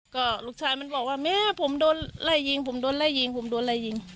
ก็ลูกชายมันบอกว่าแม่ผมโดนไล่ยิงผมโดนไล่ยิงผมโดนไล่ยิง